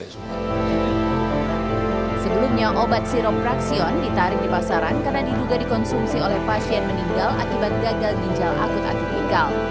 sebelumnya obat sirop fraksion ditarik di pasaran karena diduga dikonsumsi oleh pasien meninggal akibat gagal ginjal akut atipikal